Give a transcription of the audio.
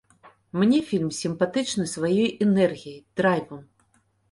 Мне фільм сімпатычны сваёй энергіяй, драйвам.